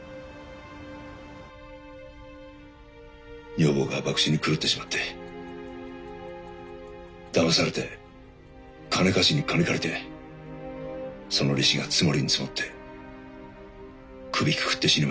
女房が博打に狂ってしまってだまされて金貸しに金借りてその利子が積もりに積もって首くくって死にました。